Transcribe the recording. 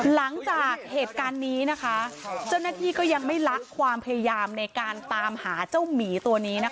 หลังจากเหตุการณ์นี้นะคะเจ้าหน้าที่ก็ยังไม่ละความพยายามในการตามหาเจ้าหมีตัวนี้นะคะ